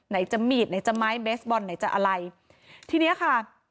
ไหนจะมีดไหนจะไม้เบสบอลไหนจะอะไรทีเนี้ยค่ะ